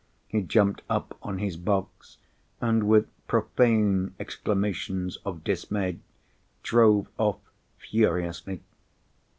He jumped up on his box, and, with profane exclamations of dismay, drove off furiously.